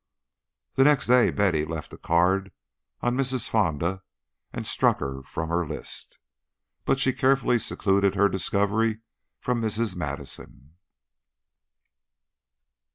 The next day Betty left a card on Mrs. Fonda and struck her from her list; but she carefully secluded her discovery from Mrs. Madison.